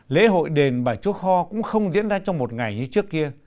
lễ hội đền bà chúa kho cũng không diễn ra trong một ngày như trước kia